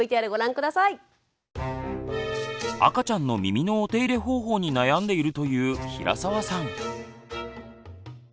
赤ちゃんの耳のお手入れ方法に悩んでいるという平澤さん。